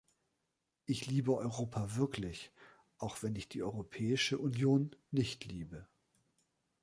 Ich liebe Europa wirklich, auch wenn ich die Europäische Union nicht liebe.